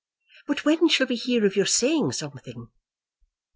"But when shall we hear of your saying something?"